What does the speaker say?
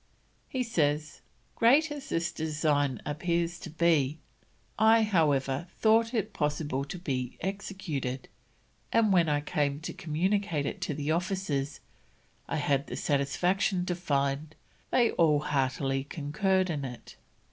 He says: "Great as this design appears to be, I however thought it possible to be executed; and when I came to communicate it to the officers, I had the satisfaction to find they all heartily concurred in it.